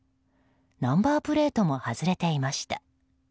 ナンバープレートも外れていました。